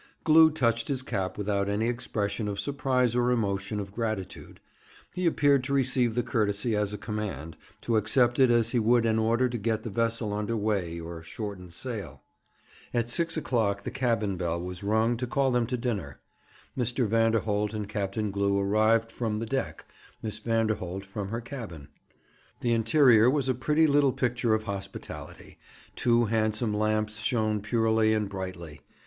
Glew touched his cap without any expression of surprise or emotion of gratitude. He appeared to receive the courtesy as a command, to accept it as he would an order to get the vessel under weigh or shorten sail. At six o'clock the cabin bell was rung to call them to dinner. Mr. Vanderholt and Captain Glew arrived from the deck, Miss Vanderholt from her cabin. The interior was a pretty little picture of hospitality; two handsome lamps shone purely and brightly.